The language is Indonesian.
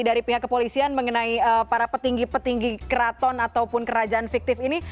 dari pihak kepolisian mengenai para petinggi petinggi keraton ataupun kerajaan fiktif ini